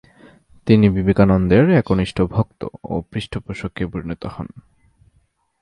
তিনি বিবেকানন্দের একনিষ্ঠ ভক্ত ও পৃষ্ঠপোষকে পরিণত হন।